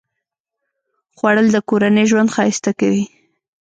خوړل د کورنۍ ژوند ښایسته کوي